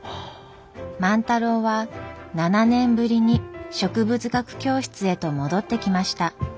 万太郎は７年ぶりに植物学教室へと戻ってきました。